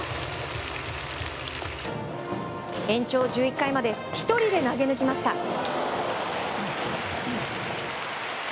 延長１１回まで１人で投げ抜きました。